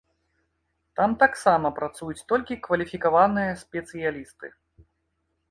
Там таксама працуюць толькі кваліфікаваныя спецыялісты.